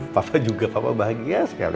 papa juga papa bahagia sekali